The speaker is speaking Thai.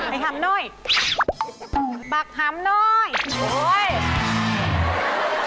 ไอ้หำนึง